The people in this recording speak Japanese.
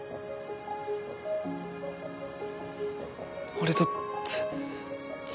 俺とつき。